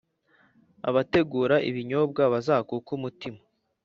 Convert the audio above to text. abategura ibinyobwa bazakuke umutima,